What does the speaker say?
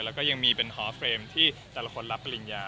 แล้วก็ยังมีเป็นฮอเฟรมที่แต่ละคนรับปริญญา